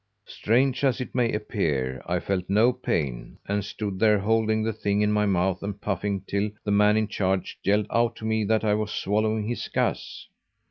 Strange as it may appear, I felt no pain, and stood there holding the thing in my mouth and puffing till the man in charge yelled out to me that I was swallowing his gas.